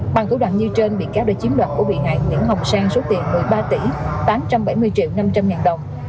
bằng thủ đoạn như trên bị cáo đã chiếm đoạt của bị hại nguyễn hồng sang số tiền một mươi ba tỷ tám trăm bảy mươi triệu năm trăm linh ngàn đồng